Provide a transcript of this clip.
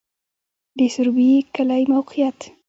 د سروبی کلی موقعیت